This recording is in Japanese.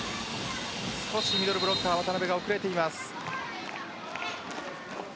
少しミドルブロッカー・渡邊が遅れています。